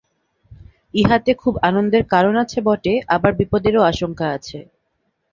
ইহাতে খুব আনন্দের কারণ আছে বটে, আবার বিপদেরও আশঙ্কা আছে।